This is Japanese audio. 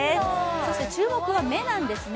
そして注目は目なんですね。